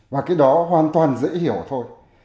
và cái đó hoàn toàn dễ hiểu thôi